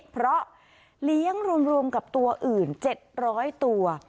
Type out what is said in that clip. เพราะเลี้ยงรวมกับตัวอื่น๗๐๐ตัว